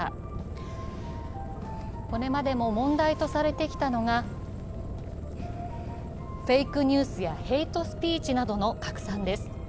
これまでも問題とされてきたのがフェイクニュースやヘイトスピーチなどの拡散です。